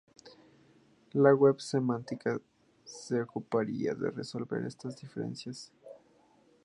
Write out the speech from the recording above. La web semántica se ocuparía de resolver estas deficiencias.